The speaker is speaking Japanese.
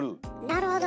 なるほど。